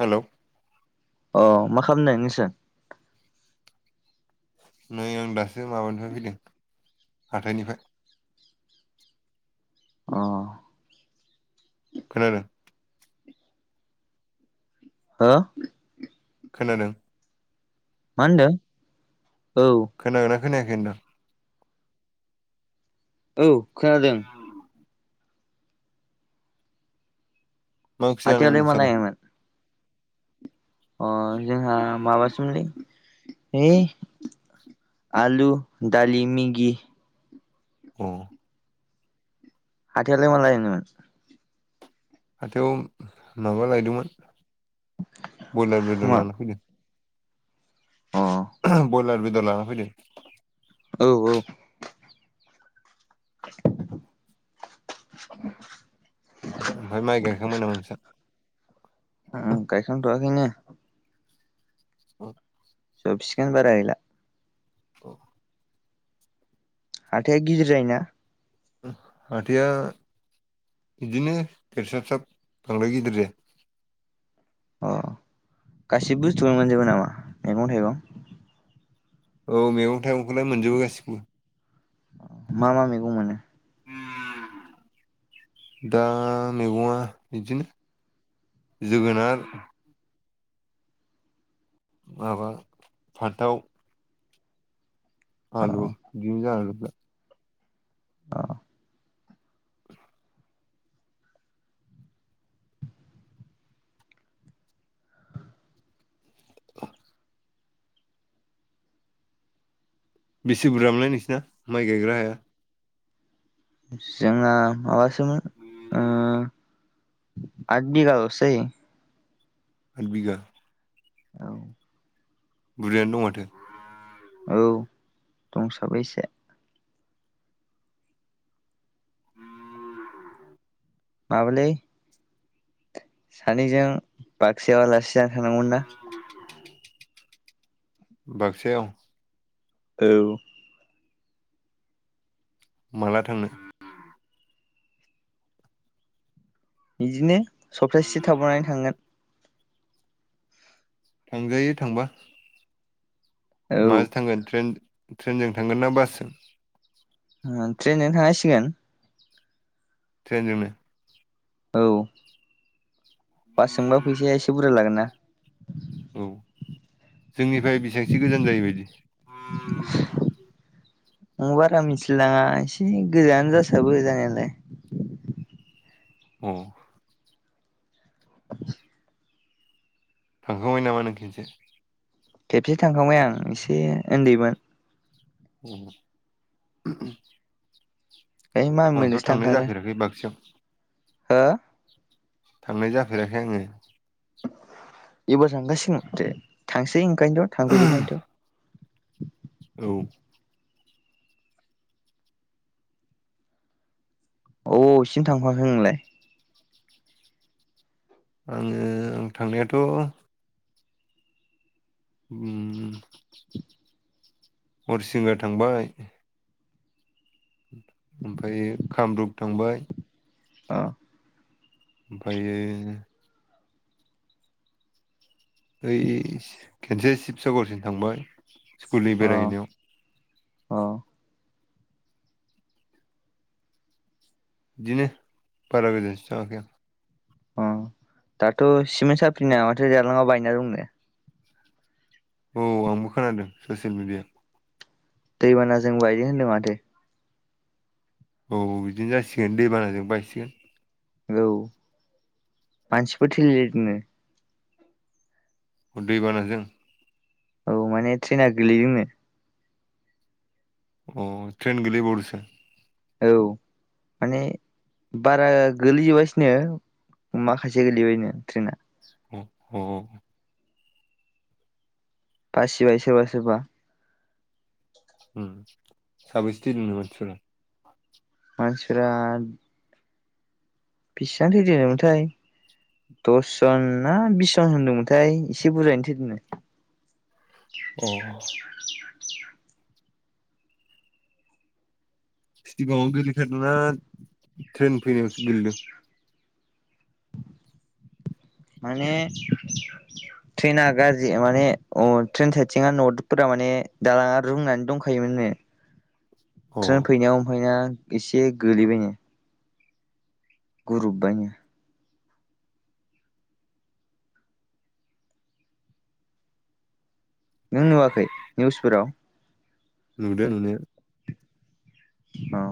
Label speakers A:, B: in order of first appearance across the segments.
A: Hello.
B: अ मा खालामदो नोसो?
A: नै आं दासो माबानिफाय फैदों हाथाइनिफाय।
B: औ।
A: खोनादों।
B: ओ।
A: खोनादों।
B: मानदों औ।
A: खोनायाखैनोदां।
B: औ खोनादों।
A: मा ओंख्रि जानायमोन
B: हाथायावलाय मा
A: नोंसालाय?
B: लायमोन अ जोंहा माबासोमोनलै। एइ आलु दालि मेगि।
A: अ।
B: हाथायालाय मा लायनामोन?
A: हाथायाव माबा लायदोंमोन बयलार बेदर
B: मा
A: लाना फैदों।
B: अ
A: बयलार बेदर लाना फैदों।
B: औ औ। [inaudible]
A: ओमफाय माइ गायखांबाय नामा नोंसा?
B: उम गायखां थ'आखैनो।
A: [unintelligible]
B: जोबसिगोन बारा गैला।
A: औ।
B: हाथाया गिदिर जायोना?
A: हाथाया बिदिनो फेरसाब साब बांद्राइ गिदिर जाता।
B: अ गासैबो बुस्थुखौनो मोनजोबो नामा मैगं थाइगं?
A: औ मैगं थाइगंखौलाइ मोनजोबो गासिखौबो
B: मा मा मैगं मोनो? [inaudible]
A: दा मैगङा बिदिनो जोगोनार माबा फान्थाव
B: अ
A: आलु [unintelligible]
B: औ।
A: बेसे बुरजामोनलाय नोंसिना माइ गायग्रा हाया?
B: जोंहा माबासोमोन ओ आद बिगाल'सो जायो।
A: आद बिघा
B: औ।
A: बुरजायानो दं माथो।
B: औ दंसाबो एसे माबालै सानैजों बाकसायाव आलासि जानो थानांगौमोन ना।
A: बाकसायाव
B: औ।
A: माला थांनो?
B: बिदिनो सप्तासे थाबावनानै थांगोन।
A: थांजायो थांबा
B: औ
A: माजों थांगोन ट्रेन ट्रेनजों थांगोन ना बासजों?
B: ओ ट्रेनजोंनो थांनांसिगोन।
A: ट्रेनजोंनो?
B: औ बासजोंबा फैसाया एसे बुरजा लागोन ना?
A: औ जोंनिफ्राय बेसेबांसो गोजान जायो बायदि
B: [unintelligible] बारा मिथिलाइ लाङा एसे गोजानानो जासाबो जानायालाय।
A: औ।
B: [inaudible]
A: थांखांबाय नामा नों खेनसे?
B: खेबसे थांखांबाय आं एसे उन्दैमोन।
A: अ।
B: ओइ
A: आंथ'
B: मामिमोनजोंसो
A: थांनाय जाफेराखै बाक्सायाव
B: हा?
A: थांनाय जाफेराखै आङो।
B: एबार थांगासिनो दे थांसै ओंखायनोथ' थांफेरैखायनोथ'।
A: औ।
B: औ अबेसिम थांफाखो नोंलाय?
A: आङो आं थांनायाथ' उम हरिसिंगा थांबाय ओमफ्राय कामरुप थांबाय
B: औ।
A: ओमफ्रायो बै खनसे शिबसागरसिम थांबाय स्कुलनि बेरायहैनायाव।
B: औ।
A: बिदिनो बारा गोजानसिम थाङाखै आं।
B: अ दाथ' सिमेन्ट साफ्रि ना माथो दालाङाव बायना दंनो?
A: औ आंबो खोनादों ससियेल मिडियाव।
B: दैबानाजों बायदो होनदों माथो।
A: औ बिदिनो जासिगोन दैबानाजों बायसिगोन।
B: औ मानसिफोर थैलाय लायदोनो।
A: अ दैबानाजों?
B: औ माने ट्रेना गोलैदोंनो।
A: अ ट्रेन गोलैबावदोसो?
B: औ माने बारा गोलैजोबासिनो माखासे गोलैबायनो ट्रेना।
A: अ
B: बासिबाय सोरबा सोरबा
A: उम साबैसे थैदोनो मानसिफ्रा?
B: मानसिफोरा बेसां थैदो दसजन ना बिस जन
A: अ सिगाङावनो गोलैखादों ना ट्रेन फैनायावसो गोलैदों?
B: माने ट्रेना गाज्रि माने अ ट्रेन साइथिंआ नदफोरा माने दालाङा रूंनानै दंखायोमोन। नो
A: अ
B: ट्रेन फैनायाव ओमफ्राय ना एसे गोलैबायनो गुरुबबायनो नों नुवाखै निउसफोराव
A: नुदो नुनाया।
B: औ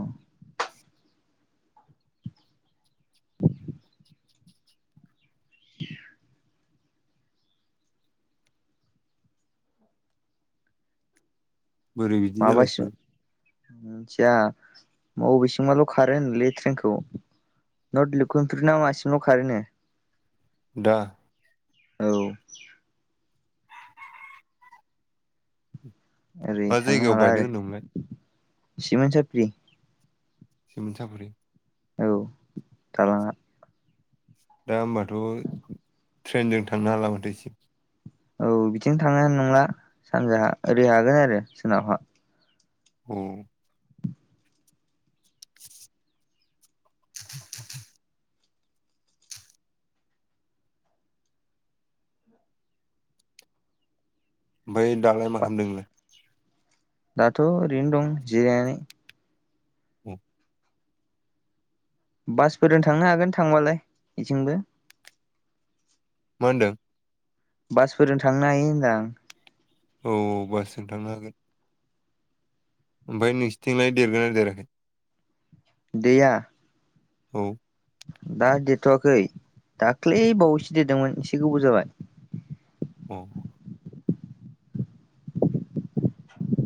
A: बोरै बिदि
B: माबासिम
A: जालायखो?
B: मिथिया बबे सिंबाल' खारो होनलै ट्रेनखौ [unintelligible] मासिमल' खारो नो
A: दा
B: औ ओरै
A: मा
B: थांनो
A: जायगायाव
B: हाला
A: बायदों
B: आरो
A: होनदोंमोनलाय
B: सिमोनसाफ्रि
A: सिमोनसापरि
B: औ दालाङा
A: दा होमबाथ' ट्रेनजों थांनो हाला माथो इथि
B: औ बिथिं थांनो हानाय नंला सानजाहा ओरै हागोन आरो सोनाबहा
A: अ [unintelligible] ओमफ्राय दालाय मा खालामदों नोंलाय?
B: दाथ' ओरैनो दं जिरायनानै
A: औ
B: बासफोरजों थांनो हागोन थांबालाय बेथिंबो
A: मा होनदों?
B: बासफोरजों थांनो हायो होनदां
A: औ औ बासजों थांनो हागोन। ओमफ्राय नोंसिथिंलाय देरगोना देराखै?
B: दैया
A: औ
B: दा देरथ'वाखै दाख्लै बावैसो देरदोंमोन एसे गोबाव जाबाय।
A: औ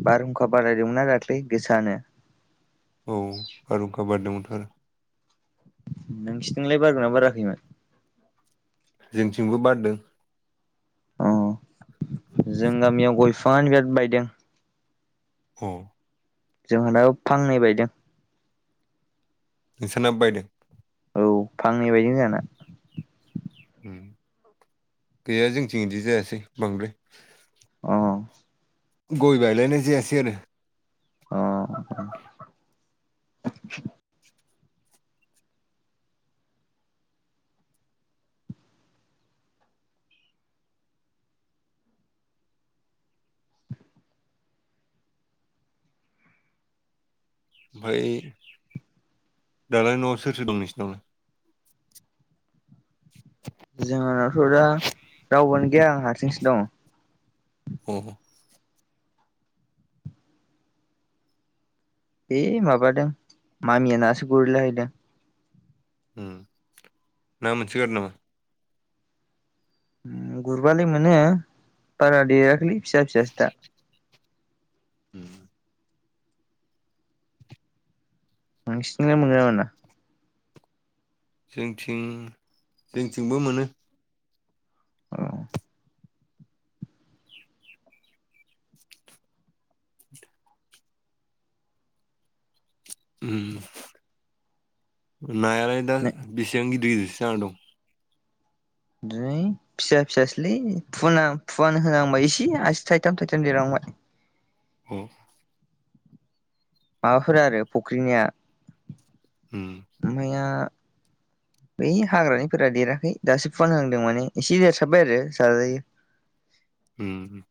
B: बारहुंखा बारलायदोंमोनना दाख्लै गोसानो।
A: औ बारहुंखा बारदोंमोनथ' आरो
B: नोंसोर निलाय बारगोना बाराखैमोन?
A: जोंनिथिंबो बारदों।
B: अ जों गामियाव गय बिफाङानो बिराद बायदों।
A: अ
B: जोंहानाबो फांनै बायदों।
A: नोंसानाबो बायदों?
B: औ फांनै बायदै जोंहाना।
A: उम गैया जोंनिथिं बिदि जायासै बांद्राय।
B: अ
A: गय बायलायनाय जायासै आरो।
B: अ [unintelligible]
A: ओमफ्राय दालाय न'आव सोर सोर दं नोंसिनावलाय?
B: [inaudible] जोंहाथ' दा रावबोयानो गैया आं हारसिंसो दङ।
A: औ।
B: ऐ माबादों मामिया नासो गुरैलाहैदों।
A: ना मोनसोगारो नामा?
B: गुरबालाय मोनो बारा देराखैलै फिसा फिसासो दा।
A: [unintelligible]
B: नोंसिनिजोंलाय मोनगोना मोना?
A: जोंनिथिं जोंनिथिंबो मोनो।
B: मोना
A: नायालाय दा
B: औ
A: बिसिबां गिद जाना दं।
B: दै [unintelligible] फिसा फिसासोलै फुवाना फुवान होहांबाय इसे आसि थाइथाम थाइथाम देरहांबाय।
A: औ
B: माबाफोर आरो फुख्रिनिया
A: उम
B: बै हाग्रानिफोरा देराखै दासो फानहांदों माने एसे देरसाबबाय आरो जाजायो [inaudible]
A: उम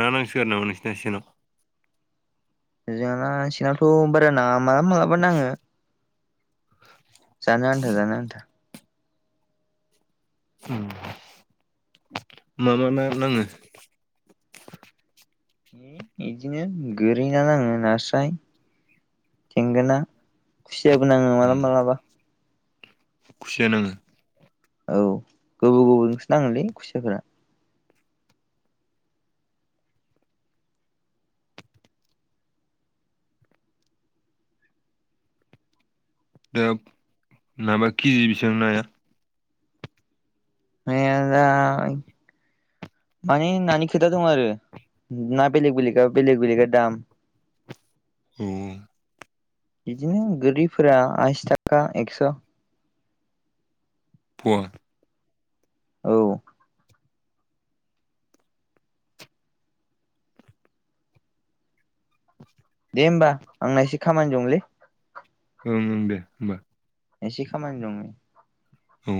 A: ना नांसिगोन नामा नोंसिना सेनाव
B: जोंना सेनाावथ' बारा नांङा मालाबा मालाबा नाङो जानो आन्था जानो आन्था
A: मा मा ना नाङो
B: है बिदिनो गोरै ना नाङो नास्राय थेंगोना खुसियाबो नाङो
A: उम
B: मालाबा मालाबा
A: खुसिया नाङो
B: औ गोबाव गोबावजोंसो नांङोलै खुसियाफोरा
A: दा माबा केजि बेसेबां नाया
B: नाया दा माने नानि खोथा दं आरो ना बेलेग बेलेगा बेलेग बेलेगा दाम [inaudible]
A: अ
B: बिदिनो गोरिफोरा आसि थाखा एक्स'
A: पवा
B: औ। दे होमबा आंना एसे खामानि दंलै
A: ओं ओं दे होमबा।
B: एसे खामानि दं नै।
A: औ।